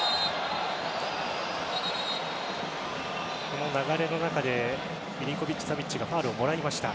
この流れの中でミリンコヴィッチ・サヴィッチがファウルをもらいました。